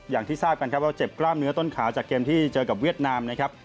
อย่างที่ทราบกันครับว่าเจ็บกล้ามเนื้อต้นขาจากเกมที่เจอกับเวียดนามนะครับ